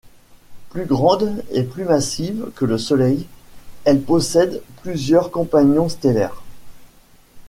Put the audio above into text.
Plus grande et plus massive que le Soleil, elle possède plusieurs compagnons stellaires.